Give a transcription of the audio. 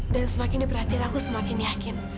dan semakin diperhatiin aku semakin yakin